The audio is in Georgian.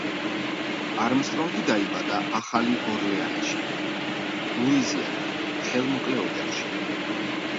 არმსტრონგი დაიბადა ახალი ორლეანში, ლუიზიანა, ხელმოკლე ოჯახში.